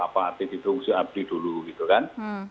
apa artinya di musim adli dulu gitu kan